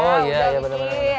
oh ya ya benar benar